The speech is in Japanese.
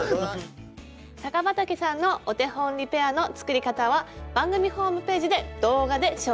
高畠さんのお手本リペアの作り方は番組ホームページで動画で紹介しています。